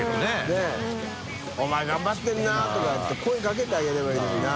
佑Аお前頑張ってるな」とかって声かけてあげればいいのにな。